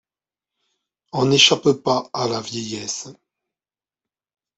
On n'échappe pas à la vieillesse.